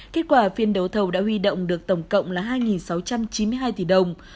kết quả phiên đấu thầu đã huy động được tổng cộng là hai sáu trăm chín mươi hai tỷ đồng